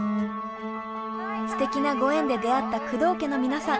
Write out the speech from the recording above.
ステキなご縁で出会った工藤家の皆さん。